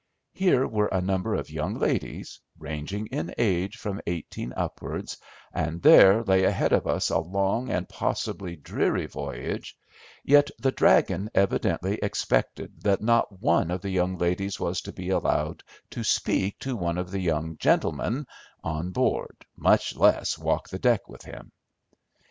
Here were a number of young ladies, ranging in age from eighteen upwards, and there lay ahead of us a long and possibly dreary voyage, yet the "dragon" evidently expected that not one of the young ladies was to be allowed to speak to one of the young gentlemen on board, much less walk the deck with him.